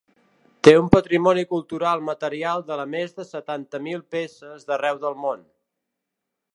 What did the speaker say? Té un patrimoni cultural material de més de setanta mil peces d’arreu del món.